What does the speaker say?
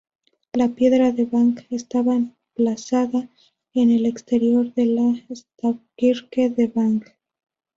La piedra de Vang estaba emplazada en el exterior de la stavkirke de Vang.